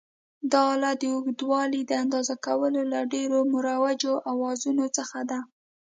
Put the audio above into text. دا آله د اوږدوالي د اندازه کولو له ډېرو مروجو اوزارونو څخه ده.